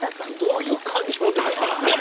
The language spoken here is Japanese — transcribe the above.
どういう感情で。